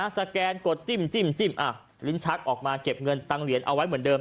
สแกนกดจิ้มลิ้นชักออกมาเก็บเงินตังเหรียญเอาไว้เหมือนเดิม